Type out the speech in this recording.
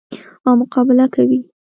او مقابله کوي.